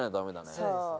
そうですね。